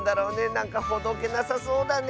なんかほどけなさそうだね。